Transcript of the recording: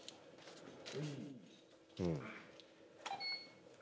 うん。